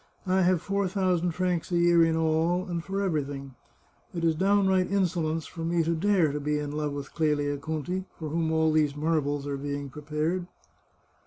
" I have four thousand francs a year in all, and for everything. It is downright insolence for me to dare to be in love with Clelia Conti, for whom all these marvels are being prepared."